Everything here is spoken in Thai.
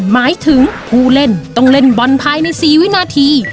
หมายถึงผู้เล่นต้องเล่นบอลภายใน๔วินาที